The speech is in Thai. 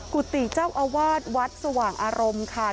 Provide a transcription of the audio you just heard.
กุฏิเจ้าอาวาสวัดสว่างอารมณ์ค่ะ